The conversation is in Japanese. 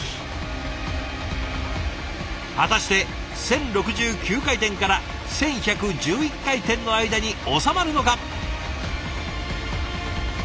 果たして１，０６９回転から１，１１１回転の間におさまるのか？